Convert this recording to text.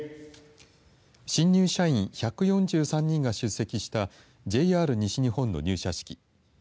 新入社員１４３人が出席したＪＲ西日本の入社式。